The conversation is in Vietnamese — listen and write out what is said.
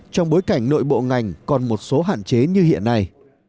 trong bối cảnh nội bộ ngành còn một số hạn chế như hiện nay